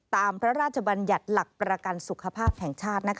พระราชบัญญัติหลักประกันสุขภาพแห่งชาติ